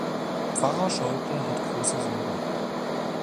Pfarrer Schäuble hat große Sorgen.